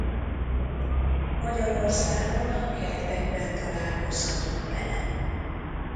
Magyarországon a kertekben találkozhatunk vele.